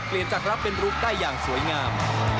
เปลี่ยนจากรับเป็นรูปได้อย่างสวยงาม